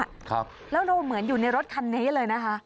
ครับแล้วเราเหมือนอยู่ในรถคันนี้เลยนะคะ